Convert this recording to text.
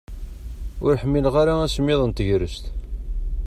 Ur ḥmmileɣ ara asemmiḍ n tegrest.